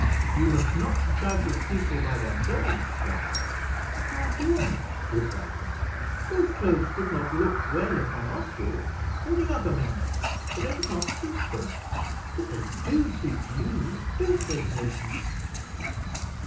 "You must not judge of people by their clothes, Clara." "Nor do I," replied Clara. "Those clothes would not look well upon Oswald, or the other men, for they would not suit them; but they do suit you: don't they, Patience?"